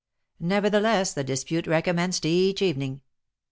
Nevertheless, the dispute recommenced each evening.